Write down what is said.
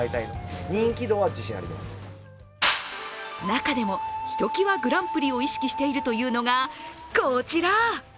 中でもひときわグランプリを意識しているというのがこちら。